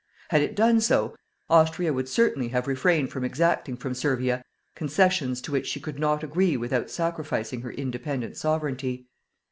Had it done so, Austria would certainly have refrained from exacting from Servia concessions to which she could not agree without sacrificing her independent Sovereignty.